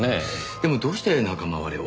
でもどうして仲間割れを？